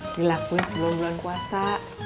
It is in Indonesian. dilakuin sebelum bulan puasa